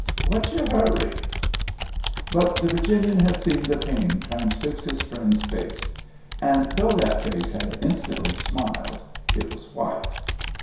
— What's your hurry ?" But the Virginian had seen the pain transfix his friend's face, and though that face had in stantly smiled, it was white.